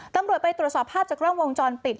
ตำรวจไปตรวจสอบภาพจากกล้องวงจรปิด